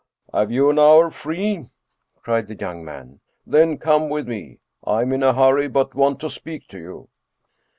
" Have you an hour free ?" cried the young man. " Then come with me. I am in a hurry, but want to speak to you."